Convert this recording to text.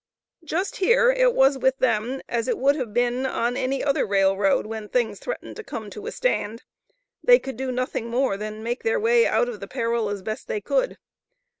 Just here it was with them as it would have been on any other rail road when things threaten to come to a stand; they could do nothing more than make their way out of the peril as best they could.